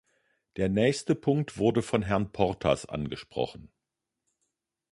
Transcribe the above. Der nächste Punkt wurde von Herrn Portas angesprochen.